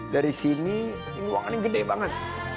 dari sini ini ruangan yang gede banget